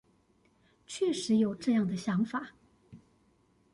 確實有這樣的想法